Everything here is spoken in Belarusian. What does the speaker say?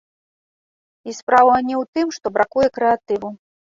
І справа не ў тым, што бракуе крэатыву.